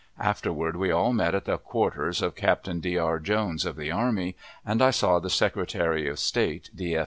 Afterward we all met at the quarters of Captain D. R. Jones of the army, and I saw the Secretary of State, D. F.